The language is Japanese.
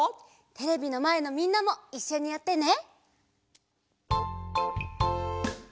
テレビのまえのみんなもいっしょにやってね。